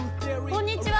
こんにちは。